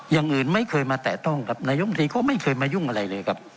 อย่างอื่นไม่เคยมาแตะต้องครับนายมตรีก็ไม่เคยมายุ่งอะไรเลยครับ